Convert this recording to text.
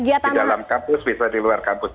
di dalam kampus bisa di luar kampus